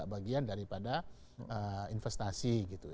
tidak bagian daripada investasi